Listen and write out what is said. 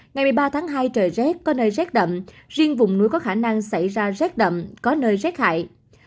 ngày một mươi ba tháng hai trời rét có nơi rét đậm riêng vùng núi có khả năng xảy ra rét đậm có nơi rét hại